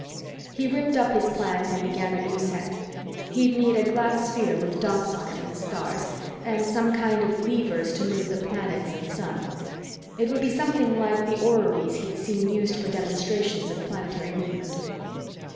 He ripped up his plans and began a new set. He'd need a glass sphere with dots on it for the stars, and some kind of levers to move the planets and sun. It would be something like the orreries he'd seen used for demonstrations of planetary movement.